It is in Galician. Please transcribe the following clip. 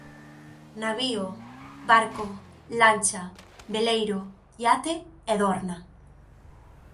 Navío, barco, lancha, veleiro, iate e dorna